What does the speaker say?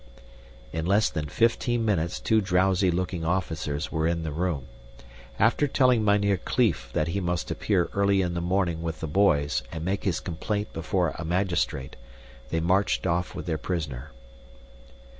In less than fifteen minutes two drowsy looking officers were in the room. After telling Mynheer Kleef that he must appear early in the morning with the boys and make his complaint before a magistrate, they marched off with their prisoner.